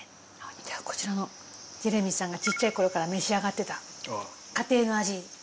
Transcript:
じゃあこちらのジェレミ−さんがちっちゃい頃から召し上がってた家庭の味。